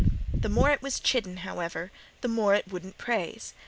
The more it was chidden, however, the more it wouldn't praise.